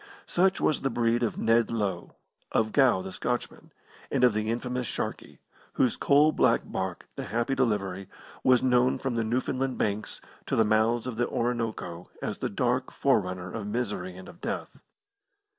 Such was the breed of Ned Low, of Gow the Scotchman, and of the infamous Sharkey, whose coal black barque, the Happy Delivery, was known from the Newfoundland Banks to the mouths of the Orinoco as the dark forerunner of misery and of death.